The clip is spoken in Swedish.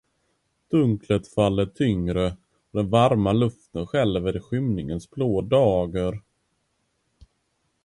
Dunklet faller tyngre, och den varma luften skälver i skymningens blå dager.